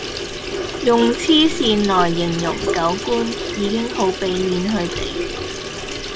用痴線來形容狗官已經好比面佢地